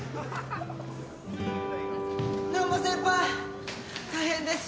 難波先輩大変です。